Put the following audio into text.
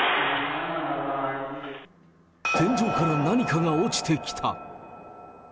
天井から何かが落ちてきた。